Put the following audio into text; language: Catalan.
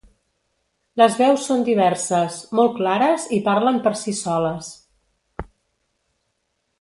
Les veus són diverses, molt clares i parlen per si soles.